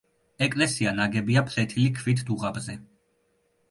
ეკლესია ნაგებია ფლეთილი ქვით დუღაბზე.